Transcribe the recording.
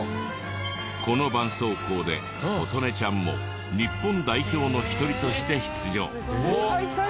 このばんそうこうで琴音ちゃんも日本代表の一人として出場。